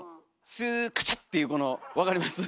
スーカチャッていうこの分かります？